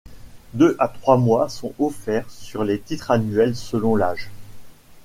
Deux à trois mois sont offerts sur les titres annuels selon l'âge.